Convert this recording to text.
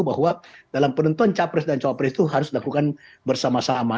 bahwa dalam penentuan capres dan cawapres itu harus dilakukan bersama sama